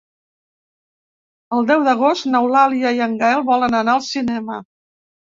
El deu d'agost n'Eulàlia i en Gaël volen anar al cinema.